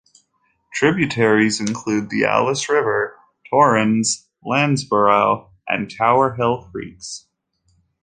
Tributaries include the Alice River, Torrens, Landsborough and Towerhill Creeks.